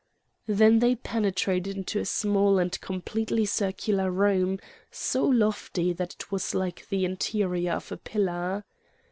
Then they penetrated into a small and completely circular room, so lofty that it was like the interior of a pillar.